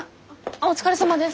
お疲れさまです。